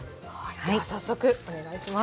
では早速お願いします。